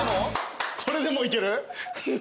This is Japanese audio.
これでもいける？